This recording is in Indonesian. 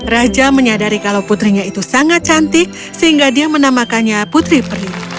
raja menyadari kalau putrinya itu sangat cantik sehingga dia menamakannya putri peri